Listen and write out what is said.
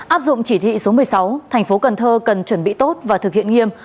áp dụng chỉ thị số một mươi sáu thành phố cần thơ cần chuẩn bị tốt và thực hiện nghiêm